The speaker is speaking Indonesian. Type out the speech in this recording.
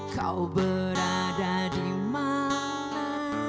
kau berada dimana